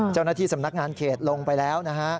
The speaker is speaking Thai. เจ้าหน้าที่สำนักงานเขตลงไปแล้วนะฮะ